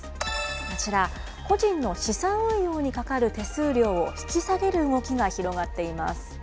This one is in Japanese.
こちら、個人の資産運用にかかる手数料を引き下げる動きが広がっています。